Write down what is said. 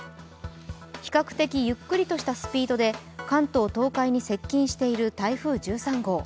比較的ゆっくりとしたスピードで関東・東海に接近している台風１３号。